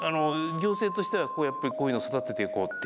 行政としてはこうやっぱりこういうの育てていこうっていう。